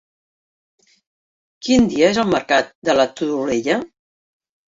Quin dia és el mercat de la Todolella?